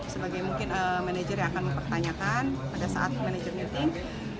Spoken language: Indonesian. sebagai mungkin manajer yang akan mempertanyakan pada saat manajer meeting